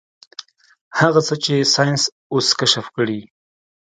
هغه څه چې ساينس اوس کشف کړي.